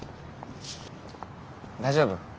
大丈夫？